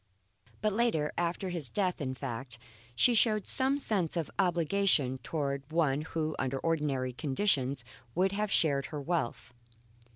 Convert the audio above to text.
But later after his death, in fact she showed some sense of obligation towards one who under ordinary conditions would have shared her wealth.